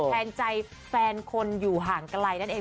แทนใจแฟนคนอยู่ห่างไกลนั่นเอง